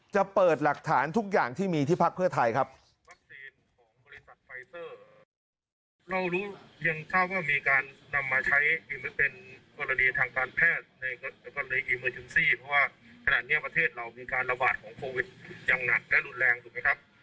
จะเปิดหลักฐานทุกอย่างที่มีที่พักเพื่อไทยครับ